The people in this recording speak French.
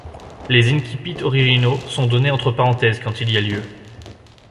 Les incipits originaux sont donnés entre parenthèses quand il y a lieu.